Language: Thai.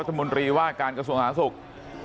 รัฐมนตรีว่าการกระทรวงศาสตร์